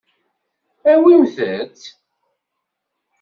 Awimt-tt.